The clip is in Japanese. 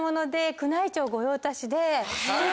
宮内庁御用達で。